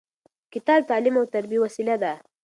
کتاب د تعلیم او تربیې وسیله ده.